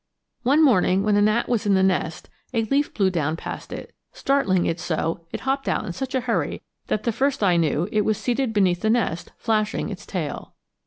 One morning when a gnat was in the nest a leaf blew down past it, startling it so it hopped out in such a hurry that the first I knew it was seated beneath the nest, flashing its tail.